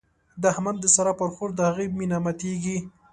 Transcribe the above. د احمد د سارا پر خور د هغې مينه ماتېږي.